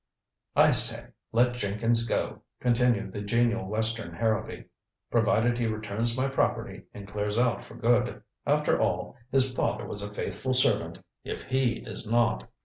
"I say let Jenkins go," continued the genial western Harrowby, "provided he returns my property and clears out for good. After all, his father was a faithful servant, if he is not."